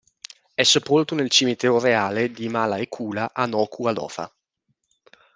È sepolto nel cimitero reale di Malaʻe Kula a Nukuʻalofa.